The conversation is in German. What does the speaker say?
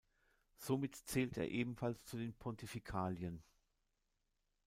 Somit zählt er ebenfalls zu den Pontifikalien.